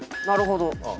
なるほど。